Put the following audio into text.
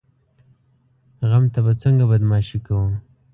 غم ته به څنګه بدماشي کوو؟